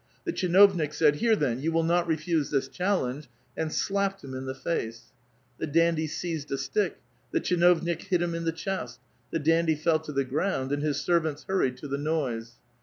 The tchinovnik said, '' Here, then, you ^v ill not refuse this challenge," and slapped him in the iace ; the dandy seized a slick ; the tchinocnik hit him iii t*»e chest ; the dandy fell to the ground, and his servants liurried to the noise.